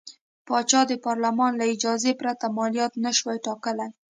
پاچا د پارلمان له اجازې پرته مالیات نه شوای ټاکلی.